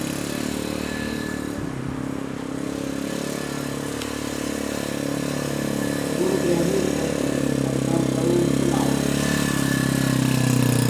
Seguro que hai grupos que nos gustan tanto a uns coma a outros.